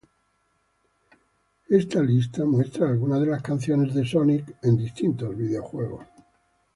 Esta lista muestra algunas de las canciones de Sonic en distintos videojuegos.